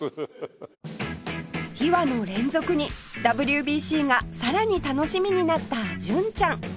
秘話の連続に ＷＢＣ がさらに楽しみになった純ちゃん